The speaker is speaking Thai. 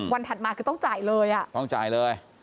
วันถัดมาคือต้องจ่ายเลย